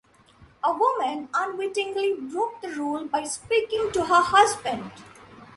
A woman unwittingly broke the rule by speaking to her husband.